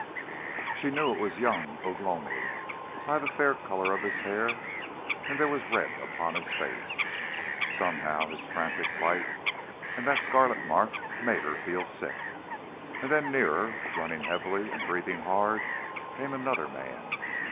She knew it was young Ugh lomi by the fair colour of his hair, and there was red upon his face. Somehow his frantic flight and that scarlet mark made her feel sick. And then nearer, running heavily and breathing hard, came another man.